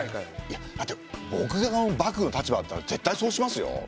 だって僕が幕府の立場だったら絶対そうしますよ。